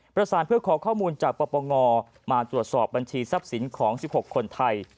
ประสานเพื่อขอข้อมูลจากปปงมาตรวจสอบบัญชีทรัพย์สินของ๑๖คนไทย